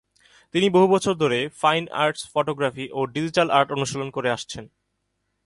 তিনি বহু বছর ধরে ফাইন আর্ট ফটোগ্রাফি এবং ডিজিটাল আর্ট অনুশীলন করে আসছেন।